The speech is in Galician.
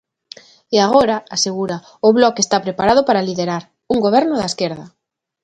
E agora, asegura, "o Bloque está preparado para liderar" un goberno da esquerda.